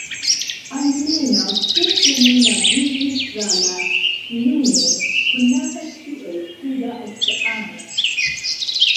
Almenaŭ certe li navigis tra la nune konata kiel Suda Oceano.